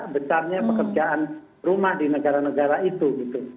besarnya pekerjaan rumah di negara negara itu gitu